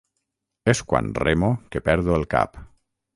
És quan remo que perdo el cap.